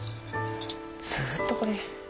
ずっとこれ。